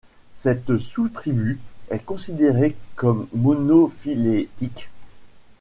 Cette sous-tribu est considérée comme monophylétique.